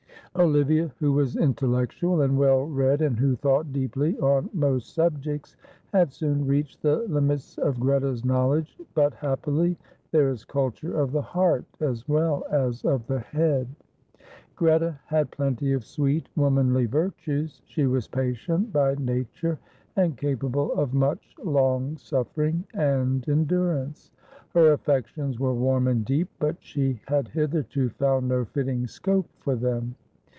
Olivia, who was intellectual and well read, and who thought deeply on most subjects, had soon reached the limits of Greta's knowledge, but happily there is culture of the heart as well as of the head. Greta had plenty of sweet, womanly virtues. She was patient by nature and capable of much long suffering and endurance. Her affections were warm and deep, but she had hitherto found no fitting scope for them.